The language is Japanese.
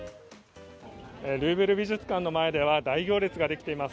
ルーブル美術館の前では大行列ができています。